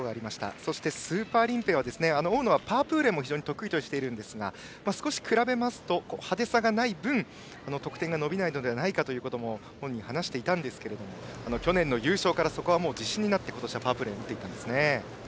そしてスーパーリンペイは大野はパープーレンも非常に得意としているんですが少し比べますと派手さがない分得点が伸びないのではないかとも本人、話していたんですけれども去年の優勝からそこは自信になって今年はスーパーリンペイを打ちました。